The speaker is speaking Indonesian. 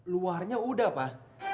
luarnya udah pak